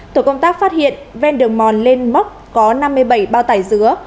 tổ công tác phát hiện ven đường mòn lên móc có năm mươi bảy bao tải dứa